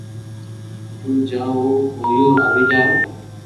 تو جا ھون ھاپو آوي جاو